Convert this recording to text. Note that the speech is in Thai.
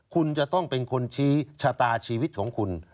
คุณจะต้องเป็นคนชี้ชะตาชีวิตของคุณ